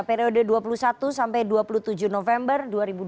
periode dua puluh satu sampai dua puluh tujuh november dua ribu dua puluh